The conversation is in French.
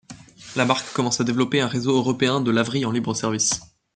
La marque commence à développer un réseau européen de laveries en libre-service.